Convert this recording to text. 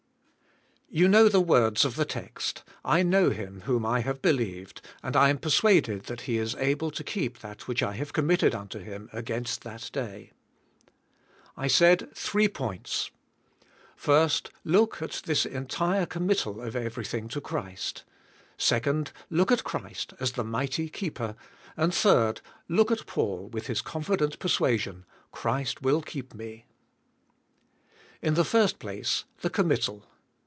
(Prayer.) You know the words of the text, "I know Him, whom I have believed, and I am persuaded that He is able to keep that which I have committed unto Him against that day." I said, three points. First, look at this entire committal of everything to Christ; second, look at Christ as the mig hty keeper, and third, look at Paul with his confident persuasion, "Christ will keep me." In the first place, the committal.